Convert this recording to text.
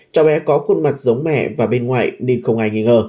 cháu bé có khuôn mặt giống mẹ và bên ngoài nên không ai nghi ngờ